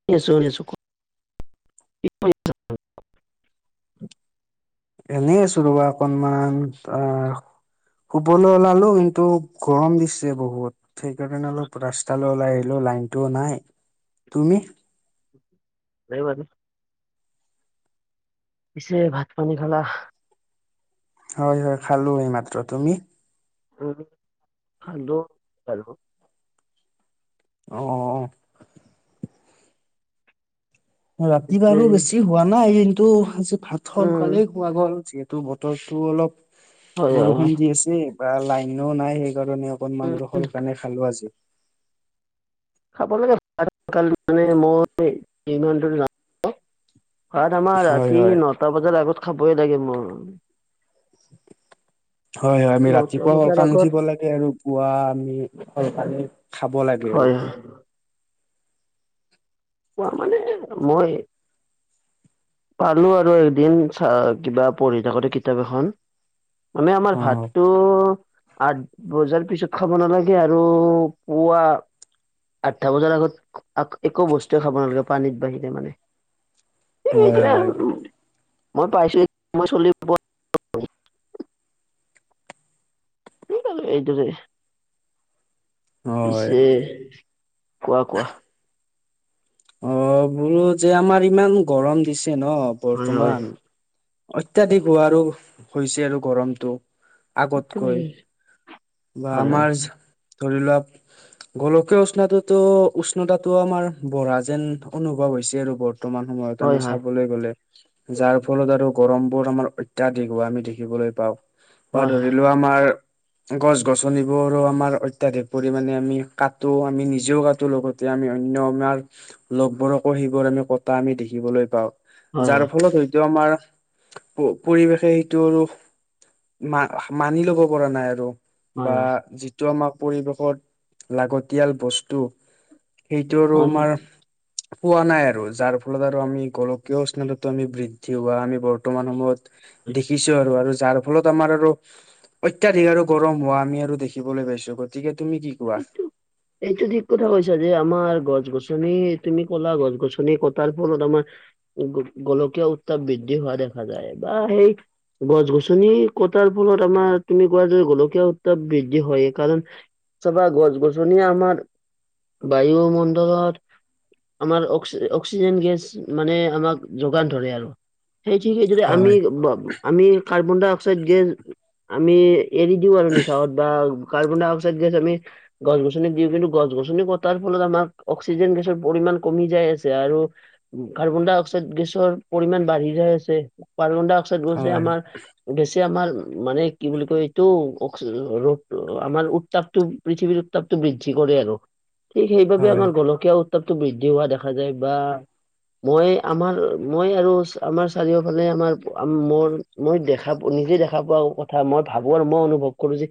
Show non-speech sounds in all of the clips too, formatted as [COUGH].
শুনি আছো শুনি আছো কি কৰি আছা? এনেই আছো ৰ'বা অকনমান অ শুবলৈ ওলালো কিন্তু গৰম দিছে বহুত। সেইকাৰণে অলপ ৰাস্তালৈ ওলাই আহিলো লাইনতটোও নাই। তুমি? [INAUDIBLE] পিছে ভাত পানী খালা? হয় হয় খালো এই মাত্ৰ। তুমি? উম খালো বাৰু। অ অ অ ৰাতি পিছে বাৰু বেছি হোৱা নাই কিন্তু আজি ভাত উম সোনকালে খোৱা গ'ল, যিহেতু বতৰো হয় অলপ হয় হয় বৰষুণ দি আছে বা লাইনও নাই সেই কাৰণে অকনমান আৰু উম সলকানে খালো আজি। খাব [UNINTELLIGIBLE] মানে মই ইমান ভাত আমাৰ হয় ৰাতি হয় ন'টা বজাৰ আগত খাবই লাগে মোৰ। [INAUDIBLE] হয় হয় আমি নটা ৰাতিপুৱা বজাৰ সলকালি আগত উঠিব লাগে আৰু পুৱা সলকালি আমি খাব লাগে আৰু। হয় হয় খোৱা মানে মই পালো আৰু এদিন চা কিবা পঢ়ি থাকোঁতে কিতাপ এখন মানে আমাৰ অ ভাতটো আঠ বজাৰ পিছত খাব নালাগে আৰু পুৱা আঠটা বজাৰ আগত একো বস্তু খাব নালাগে পানীত বাঢ়িৰে হয় মানে হয় মই পাইছো [UNINTELLIGIBLE] [UNINTELLIGIBLE] হয় পিছে কোৱা কোৱা অ বুলো যে আমাৰ ইমান গৰম দিছে ন হয় বৰ্তমান অত্যাধিক হোৱাৰো হৈছে আৰু গৰমতটো। আগতকৈ। বা হয় হয় আমাৰ ধৰি লোৱা গোলকীয়া উষ্ণততো উষ্ণতাটো আমাৰ বঢ়া যেন অনুভৱ হৈছে, আৰু বৰ্তমান সময়ত হয় হয় হয় আমি হয় হয় চাবলৈ গলে। যাৰ ফলত আৰু গৰম বোৰ আমাৰ অত্যাধিক হোৱা আমি দেখিবলৈ পাও বা ধৰি লোৱা আমাৰ গছ গছনিবোৰো আমাৰ অত্যাধিক পৰিমাণে আমি কাটো আমি নিজেও কাটো লগত তেতিয়া আমি অন্য আমাৰ লগবোৰকো সেইবোৰ আমি কটা আমি দেখিবলৈ পাওঁ। যাৰ ফলত হয়তো আমাৰ পৰিৱেশে সেইটো আৰু মা মানি লব পৰা নাই আৰু হয় হয় হয় বা যিটো আমাৰ পৰিৱেশত লাগতিয়াল বস্তু সেইটো আৰু হয় হয় আমাৰ পোৱা নাই আৰু যাৰ ফলত আৰু আমি গোলকীয় স্নানুতো আমি বৃদ্ধি হোৱা আমি বৰ্তমান সময়ত দেখিছো আৰু আৰু যাৰ। ফলত আমাৰ আৰু অত্যাধিক আৰু গৰম হোৱা আমি আৰু দেখিবলৈ পাইছো। গতিকে তুমি কি কোৱা? [INAUDIBLE] এইটো ঠিক কথা কৈছা। যে আমাৰ গছ গছনি তুমি ক'লা গছ গছনি কটাৰ ফলত আমাৰ গোলকীয় উত্তাপ বৃদ্ধি হোৱা দেখা যায়। বা সেই গছ গছনি কটাৰ ফলত আমাৰ তুমি কোৱা য গোলকীয়া উত্তাপ বৃদ্ধি হয়। কাৰণ চাবা গছ গছনিয়ে আমাৰ বায়ুমণ্ডলত আমাক অক্সিজেন গেছ মানে আমাক যোগান ধৰে আৰু সেই ঠিকেই। [UNINTELLIGIBLE] হয় আমি কাৰ্বন ডাই অক্সাইড গেছ আমি এৰি দিওঁ আৰু নিশাহত বা কাৰ্বন ডাই অক্সাইড গেছ আমি গছ গছনি দিওঁ। কিন্তু, গছ গছনি কটাৰ ফলত আমাৰ অক্সিজেন গেছৰ পৰিমাণ কমি যাই আছে, আৰু কাৰ্বন ডাই অক্সাইড গেছৰ পৰিমাণ বাঢ়ি যায় আছে। কাৰ্বন ডাই অক্সাইড গেছে হয় আমাৰ গেছে আমাৰ মানে কি বুলি কয়? এইটো ৰ'দ আমাৰ উত্তাপটো পৃথিৱীৰ উত্তাপটো বৃদ্ধি কৰে আৰু ঠিক সেইবাবে হয় আমাৰ গোলকীয়া উত্তাপটো বৃদ্ধি হোৱা দেখা যায়, বা মই আমাৰ মই আৰু আমাৰ চাৰিওফালে আমাৰ মোৰ মই দেখা নিজে দেখা পোৱা কথা মই ভাবো আৰু মই অনুভৱ কৰো। যে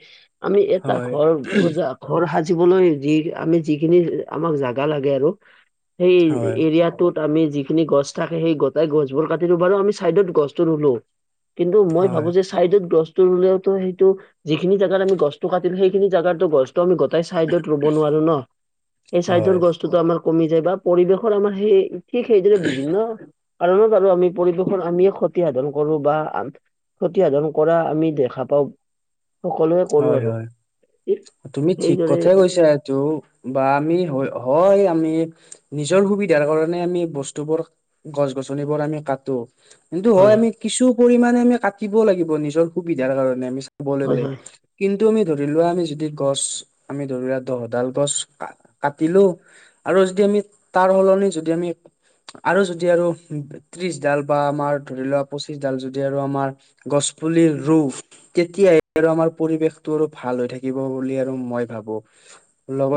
আমি এটা হয় ঘৰ সজাক ঘৰ সাজিবলৈ যি আমি যিখিনি আমাক জাগা লাগে আৰু সেই হয় এৰিয়াটোত আমি যিখিনি গছ থাকে। সেই গোটাই গছবোৰ কাটিমলো বাৰু আমি চাইদত গছতো ৰুলো কিন্তু, মই ভাবো হয় যে চাইডত গছটো ৰুলেওতো সেইটো যিখিনি জাগাত আমি গছতটো কাত সেইখিনি জাগাতো গছটো আমি গোটেই চাইডত ৰুব নোৱাৰো ন? সেই চাইডৰ হয় গছতো আমাৰ কমি যায় বা পৰিৱেশৰ আমাৰ সেই ঠিক সেইদৰে বিভিন্ন কাৰণত আৰু আমি পৰিবেশৰ আমিয়ে ক্ষতি সাধন কৰো বা ক্ষতিসাধন কৰা আমি দেখা পাওঁ সকলো হয়। হয়। তুমি ঠিক এইদৰে কথাই কৈ কৈছা সেইটো বা আমি হয়। হয়। আমি নিজৰ সুবিধাৰ কাৰনে আমি বস্তুবোৰ গছ গছনিবোৰ আমি কটো কিন্তু হয়। আমি কিছু পৰিমণে আমি কাটিব লাগিব নিজৰ সুবিধাৰ কাৰণে আমি চাবলৈ হয় গ'লে। হয় কিন্তু, আমি ধৰি লোৱা আমি যদি গছ আমি ধৰি লোৱা দহডাল গছ কাটিলো। আৰু যদি আমি তাৰ সলনি যদি আমি আৰু যদি আৰু ত্ৰিশ ডাল বা আমাৰ ধৰি লোৱা পঁচিশ ডাল যদি আৰু আমাৰ গছ পুলি ৰু তেতিয়াহে আৰু আমাৰ পৰিৱেশটো আৰু ভাল হৈ থাকিব বুলি আৰু মই ভাবো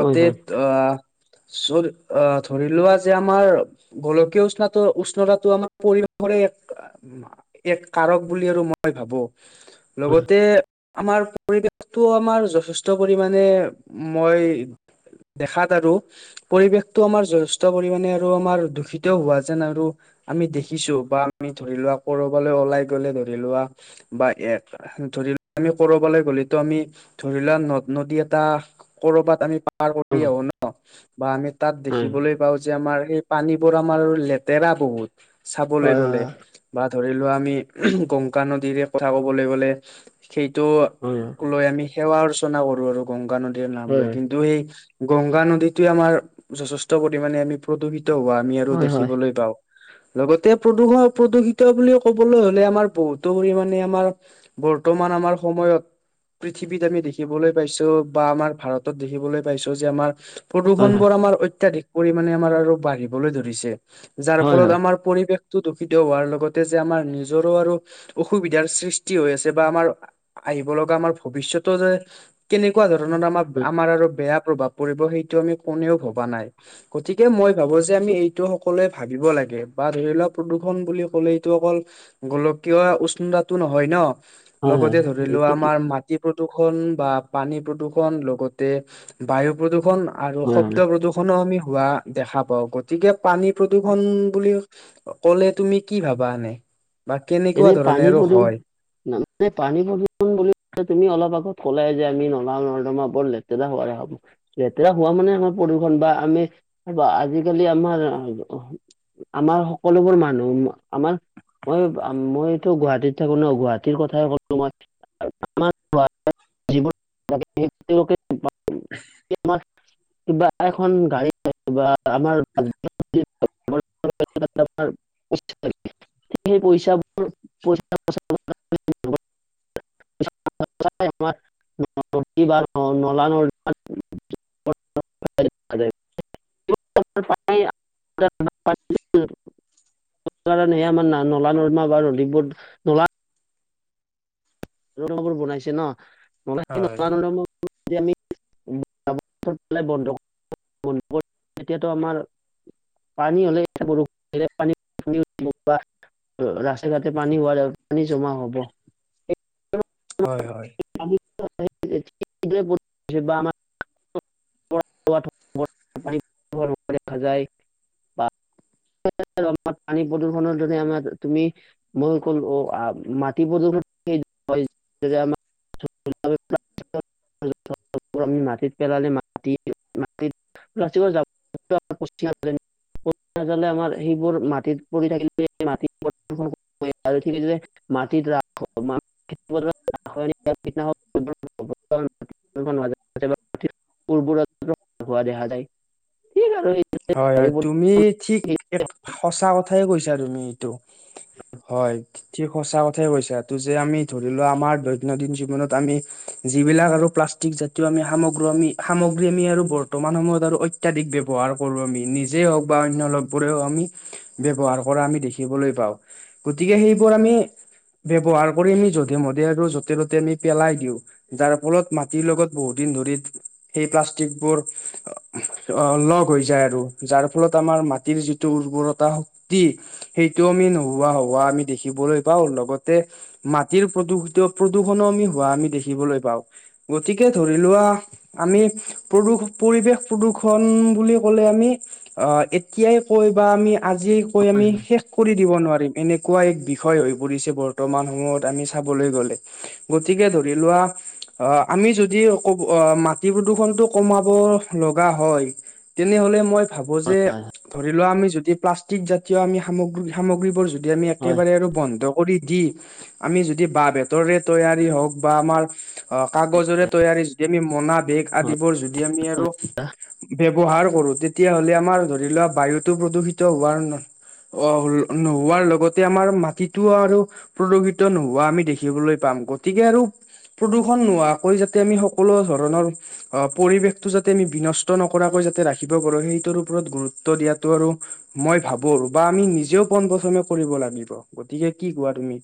হয় হয় অ'। ধৰি লোৱা যে আমাৰ। গোলকীয় উষ্ণটো উষ্ণতাটো আমাৰ পৰিৱেশৰে এক। এক কাৰক বুলি আৰু মই ভাবো লগতে আমাৰ। পৰিৱেশটো আমাৰ যথেষ্ট পৰিমাণে মই দেখাত আৰু। পৰিৱেশটো আমাৰ যথেষ্ট পৰিমানে আৰু আমাৰ দূষিতও হোৱা যেন আৰু। আমি দেখিছো বা আমি ধৰি লোৱা কৰবালৈ ওলাই গলে ধৰি লোৱা। বা এক ধৰি লোৱা আমি কৰবালৈ। বুলিতো আমি ধৰিলোৱা নদ নদী এটা ক'ৰবাত আমি। পাৰ কৰি হয় আহো ন বা আমি তাত হয় দেখিবলৈ। বা যে আমাৰ এই পানীবোৰ আমাৰ লেতেৰা বহুত চাবলৈ হয় হয় গ'লে। বা ধৰি লোৱা আমি গংগা নদীৰে কথা কবলৈ গ'লে সেইটো। হয় লৈ আমি সেৱা অৰ্চনা কৰো আৰু গংগা নদীৰ নাম লৈ হয় কিন্তু সেই। গংগা নদীতোৱে আমাৰ যথেষ্ট পৰিমণে আমি প্ৰদূষিত হোৱা আমি আৰু হয় হয় হয় হয় হয় হয় দেখিবলৈ পাওঁ। লগতে প্ৰদূষণ প্ৰদূষিত বুলি ক'বলৈ হ'লে আমাৰ বহুতো পৰিমাণে আমাৰ। বৰ্তমান আমাৰ সময়ত। পৃথিৱীত আমি দেখিবলৈ পাইছো বা আমাৰ ভাৰতত দেখিবলৈ পাইছো যে আমাৰ। হয় প্ৰদূষণ হয় বোৰ আমাৰ অত্যাধিক পৰিাণে আমাৰ আৰু বাঢ়িবলৈ ধৰিছে। যাৰ ফলত আমাৰ পৰিৱেশ। দূষিত হোৱাৰ লগতে যে আমাৰ নিজৰো আৰু অসুবিধাৰ সৃষ্টি হৈ আছে বা আমাৰ। আহিব লগা আমাৰ ভৱিষ্যতো যে কেনেকুৱা ধৰণৰ আমাৰ আমাৰ আৰু বেয়া প্ৰভাৱ। পৰিব সেইটো আমি কোনেও ভবা নাই। গতিকে মই ভাবো যে আমি এইটো সকলোৱে ভাবিব লাগে বা ধৰি লোৱাক প্ৰদূষণ বুলি ক'লে এইটো অকল। গোলকীয় উষ্ণতাটো নহয় ন হয় লগতে হয় ধৰিলো এইটো আমাৰ। ঠিক মাটি প্ৰদূষণ বা পানী প্ৰদূষণ লগতে বায়ু প্ৰদূষণ। আৰু হয় হয় শব্দ প্ৰদূষনো আমি হোৱা দেখা পাওঁ গতিকে পানী প্ৰদূষন বুলি। ক'লে তুমি কি ভাবা এনে বা কেনেকুৱা ধৰণে আৰু হয়। নে পানী প্ৰদূষণ। তুমি অলপ আগত কলাই যে আমি নলা নৰ্দমা বৰ লেতেৰা হোৱা দেখা পাওঁ। লেতেৰা হোৱা মানে আমাৰ প্ৰদূষণ বা আমি আজিকালি আমাৰ। আমাৰ সকলোবোৰ মানুহ আমাৰ মই। মইতো গুৱাহাটীত থাকো ন গুৱাহাটীৰ কথাই কলো মই। [INAUDIBLE] কিবা এখন গাড়ী বা আমাৰম। [INAUDIBLE] পইচাবোৰ পইচা। [INAUDIBLE] [INAUDIBLE] কাৰণেহে আমাৰ নলা নৰ্দমা বা নদীবোৰ নলা। নৰ্দমা বোৰ বনাইছে ন। হয় [UNINTELLIGIBLE] [UNINTELLIGIBLE] বৰ বন্ধ [UNINTELLIGIBLE] এতিয়াতো আমাৰ। পানী হ'লে এতিয়া [UNINTELLIGIBLE] পানী। ৰাস্তা ঘাটে পানী হোৱা, পানী জমা হ'ব। হয় হয়। [UNINTELLIGIBLE] [UNINTELLIGIBLE] দেখা যায় বা [UNINTELLIGIBLE] আমাৰ পানী প্ৰদূষণৰ দৰে আমাৰ তুমি মই ক'লো, অ', মাটি প্ৰদূষণ আমাৰ। [UNINTELLIGIBLE] [UNINTELLIGIBLE] আমি মাটিত পেলালে মা [UNINTELLIGIBLE] আচলতে আমাৰ সেইবোৰ মাটিত পৰি থাকিলে মাটিত [UNINTELLIGIBLE] আৰু এইখিনি যে। [UNINTELLIGIBLE] [UNINTELLIGIBLE] [UNINTELLIGIBLE] হোৱা দেখা যায়, ঠিক আৰু। হয়, বায়ু হয়, তুমি ঠিক প্ৰদূষণ এক সঁচা কথাই কৈছা তুমি এইটো। হয় ঠিক সঁচা কথাই কৈছা, তটো যে আমি ধৰি লোৱা আমাৰ দৈনন্দিন জীৱনত আমি যিবিলাক আৰু প্লাষ্টিক জাতীয় আমি সামগ্ৰ আমি, সামগ্ৰী আমি আৰু বৰ্তমান সময়ত আৰু অত্যাধিক ব্যয়ৱহাৰ কৰো আমি, নিজেই হওক বা অন্য লগবোৰেও আমি ব্যৱহাৰ কৰা আমি দেখিবলৈ পাওঁ, গতিকে সেইবোৰ আমি ব্যৱহাৰ কৰি আমি যধে মধে আৰু য'তে ত'তে আমি পেলাই দিওঁ। যাৰ ফলত, মাটিৰ লগত বহুত দিন ধৰি সেই প্লাষ্টিক বোৰ অলপ হৈ যায় আৰু, যাৰফলত আমাৰ মাটিৰ যিটো উৰ্বৰতা শক্তি সেইটো আমি নোহোৱা হোৱা আমি দেখিবলৈ পাওঁ, লগতে মাটিৰ প্ৰদূষিত প্ৰদূষণো আমি হোৱা আমি দেখিবলৈ পাওঁ। গতিকে ধৰি লোৱা আমি, প্ৰদূষ পৰিৱেশ প্ৰদূষণ বুলি ক'লে আমি, অ', এতিয়াই কৈ বা আমি আজিয়েই কৈ আমি শেষ কৰি দিব নোৱাৰিম, এনেকুৱা এক বিষয় হৈ পৰিছে, বৰ্তমান সময়ত আমি চাবলৈ গ'লে। গতিকে, ধৰি লোৱা অ', আমি যদি ক'ব, অ', মাটি প্ৰদূষণ টো কমাব লগা হয় তেনেহলে মই ভাবো যে, হয় ধৰি লোৱা আমি যদি প্লাষ্টিক জাতীয় আমি সামগ্ৰী সামগ্ৰীবোৰ য যদি আমি হয় একেবাৰে আৰু বন্ধ কৰি দি, আমি যদি বাঁহ বেতৰে তৈয়াৰী হওঁক বা আমাৰ অ', হয় কাগজৰে তৈয়াৰী যদি আমি মোনা বেগ আদিবোৰ যদি আমি আৰু ব্যৱহাৰ কৰো, তেতিয়াহ'লে আমাৰ ধৰি লোৱা বায়ুটো প্ৰদূষিত হোৱাৰ ন অ', নোহোৱাৰ লগতে আমাৰ মাটিটো আৰু প্ৰদুষিত নোহোৱা আমি দেখিবলৈ পাম, গতিকে আৰু প্ৰদূষণ নোহোৱাকৈ যাতে আমি সকলো ধৰণৰ পৰিবেশটো যাতে আমি বিনষ্ট নক নকৰাকৈ যাতে ৰাখিব পাৰো, সেইটোৰ উপৰত গুৰুত্ব দিয়াটো আৰু মই ভাবোঁ বা আমি নিজেও পোন প্ৰথমে কৰিব লাগিব, গতিকে কি কোৱা তুমি?